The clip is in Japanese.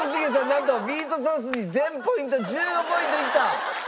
なんとミートソースに全ポイント１５ポイントいった！